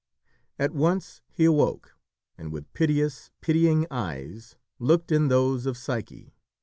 At once he awoke, and with piteous, pitying eyes looked in those of Psyche.